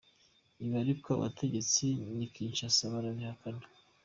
Ibi ariko abategetsi n’i Kinshasa barabihakana.